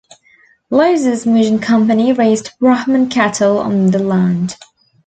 Lewis's Mission Company raised Brahman cattle on the land.